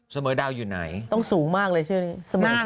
ดาวอยู่ไหนต้องสูงมากเลยใช่ไหม